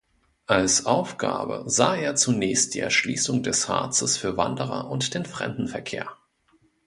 Als Aufgabe sah er zunächst die Erschließung des Harzes für Wanderer und den Fremdenverkehr.